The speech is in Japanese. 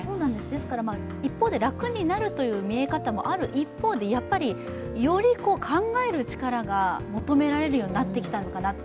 ですから楽になるという見え方もある一方、やはり、より考える力が求められるようになってきたのかなと。